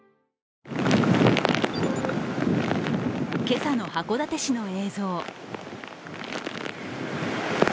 今朝の函館市の映像。